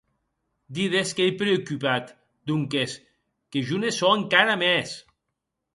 Dides qu'ei preocupat, donques que jo ne sò encara mès!